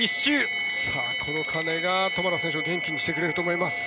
この鐘がトマラ選手を元気にしてくれると思います。